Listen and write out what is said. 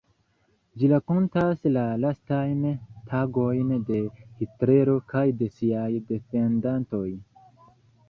Ĝi rakontas la lastajn tagojn de Hitlero kaj de siaj defendantoj.